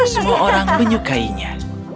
semua orang menyukainya